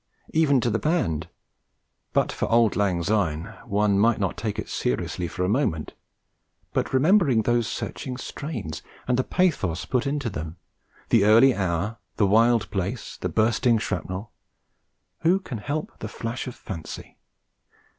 Even to that band! But for 'Auld Lang Syne' one might not take it seriously for a moment; but remembering those searching strains, and the pathos put into them, the early hour, the wild place, the bursting shrapnel, who can help the flash of fancy?